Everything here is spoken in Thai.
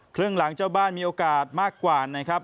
ครึ่งหลังเจ้าบ้านมีโอกาสมากกว่านะครับ